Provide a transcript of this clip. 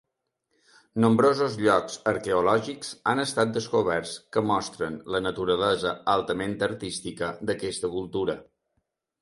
Nombrosos llocs arqueològics han estat descoberts que mostren la naturalesa altament artística d'aquesta cultura.